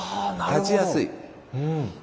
立ちやすい。